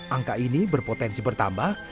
angka ini berpotensi bertambah